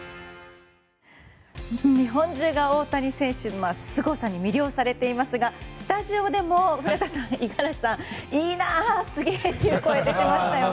日本中が大谷選手のすごさに魅了されていますがスタジオでも古田さん、五十嵐さんいいな、すげえという声が出ていましたよね。